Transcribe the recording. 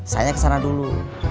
saya kesana dulu